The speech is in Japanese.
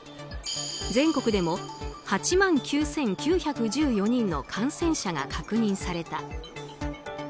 全国でも８万９９１４人の感染者が確認された。